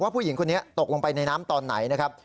ผู้หญิงคนนี้ตกลงไปในน้ำตอนไหนนะครับ